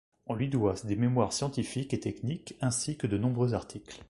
On lui doit des mémoires scientifiques et techniques ainsi que de nombreux articles.